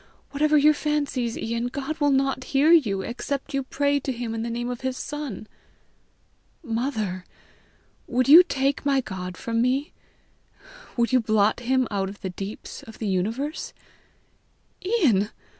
Whatever your fancies, Ian, God will not hear you, except you pray to him in the name of his Son." "Mother, would you take my God from me? Would you blot him out of the deeps of the universe?" "Ian!